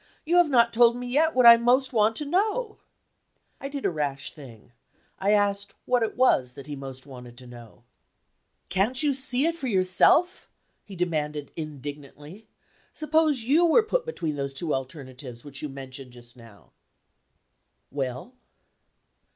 "You have not told me yet what I most want to know." I did a rash thing; I asked what it was that he most wanted to know. "Can't you see it for yourself?" he demanded indignantly. "Suppose you were put between those two alternatives which you mentioned just now." "Well?"